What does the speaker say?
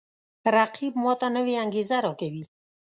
رقیب ما ته نوی انگیزه راکوي